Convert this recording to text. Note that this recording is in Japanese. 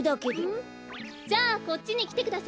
うん？じゃあこっちにきてください。